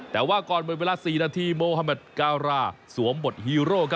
แต่ว่าก่อนหมดเวลา๔นาทีโมฮาเมดการาสวมบทฮีโร่